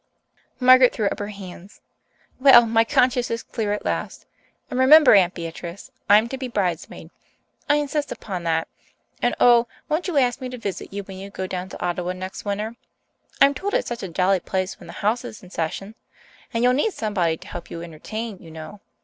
Margaret threw up her hands. "Well, my conscience is clear, at least. And remember, Aunt Beatrice, I'm to be bridesmaid I insist upon that. And, oh, won't you ask me to visit you when you go down to Ottawa next winter? I'm told it's such a jolly place when the House is in session. And you'll need somebody to help you entertain, you know.